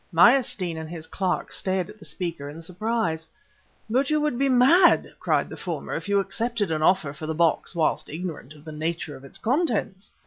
Meyerstein and his clerk stared at the speaker in surprise. "But you would be mad," cried the former, "if you accepted an offer for the box, whilst ignorant of the nature of its contents."